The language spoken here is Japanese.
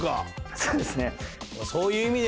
そうですね。